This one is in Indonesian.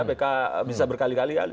pk bisa berkali kali